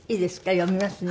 読みますね。